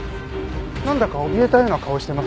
なんだかおびえたような顔をしてました。